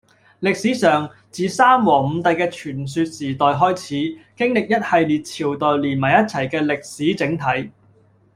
歷史上，自三皇五帝嘅傳說時代開始，經歷一系列朝代連埋一齊嘅「歷史整體」。